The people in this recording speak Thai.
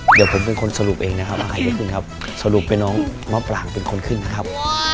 เดี๋ยวผมเป็นคนสรุปเองนะครับสรุปเป็นน้องมะปร่างเป็นคนขึ้นนะครับ